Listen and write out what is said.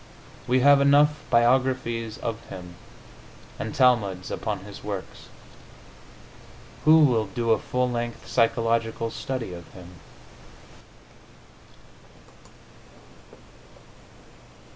We have enough biographies of him, and talmuds upon his works. Who will do a full length psychological study of him?